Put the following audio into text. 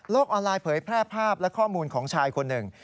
ออนไลน์เผยแพร่ภาพและข้อมูลของชายคนหนึ่ง